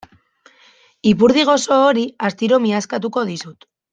Ipurdi gozo hori astiro miazkatuko dizut.